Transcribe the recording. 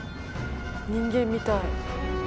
人間みたい。